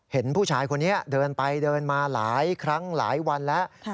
เห็นผู้ชายคนนี้เดินไปเดินมาหลายครั้งหลายวันแล้ว